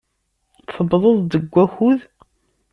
Tewwḍeḍ-d deg wakud.